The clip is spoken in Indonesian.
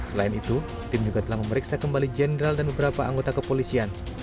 selain itu tim juga telah memeriksa kembali jenderal dan beberapa anggota kepolisian